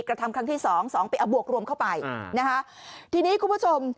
กระทำครั้งที่สองสองปีเอาบวกรวมเข้าไปนะคะทีนี้คุณผู้ชม